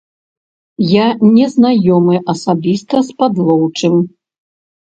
Я не знаёмы асабіста з падлоўчым.